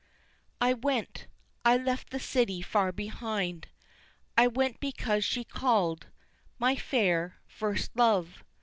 I went, I left the city far behind, I went because she called my fair first love!